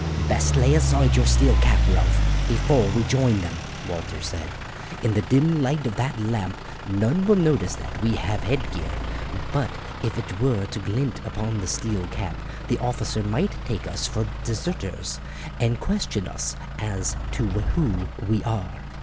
"Best lay aside your steel cap, Ralph, before we join them," Walter said. "In the dim light of that lamp none will notice that we have head gear, but if it were to glint upon the steel cap the officer might take us for deserters and question us as to who we are."